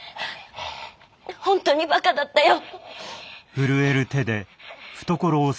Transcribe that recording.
本当にバカだったよ。